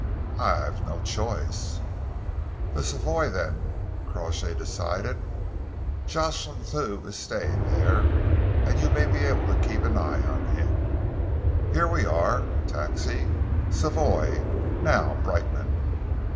"I've no choice." "The Savoy, then," Crawshay decided. "Jocelyn Thew is staying there, and you may be able to keep an eye on him. Here we are. Taxi? Savoy! Now, Brightman."